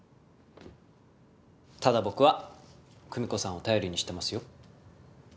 ただ僕は久美子さんを頼りにしてますよ。